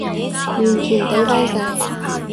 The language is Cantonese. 完全抵返晒